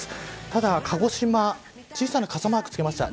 ただ、鹿児島小さな傘マークつけました。